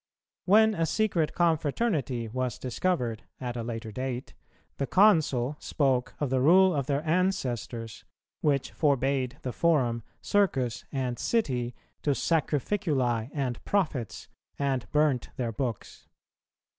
When a secret confraternity was discovered, at a later date, the Consul spoke of the rule of their ancestors which forbade the forum, circus, and city to Sacrificuli and prophets, and burnt their books.